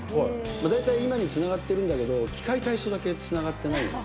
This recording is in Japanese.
大体今につながってるんだけど、器械体操だけつながってないわけ。